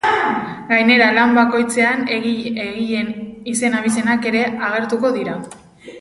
Gainera, lan bakoitzean egileen izen-abizenak ere agertuko dira.